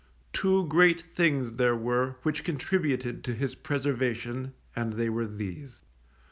Two great things there were which contributed to his preservation, and they were these.